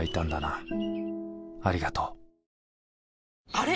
あれ？